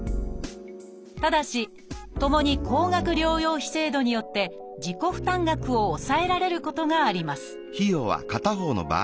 ただしともに高額療養費制度によって自己負担額を抑えられることがあります